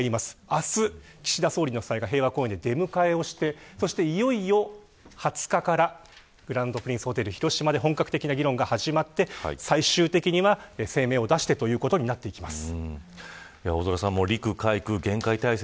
明日、岸田総理の夫妻が平和公園で出迎えをしてそして、いよいよ２０日からグランドプリンスホテル広島で本格的な議論が始まって最終的には声明を出してということになってきます。